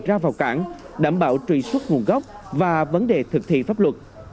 ra vào cảng đảm bảo truy xuất nguồn gốc và vấn đề thực thi pháp luật